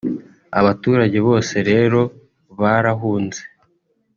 Abaturage bose rero barahunze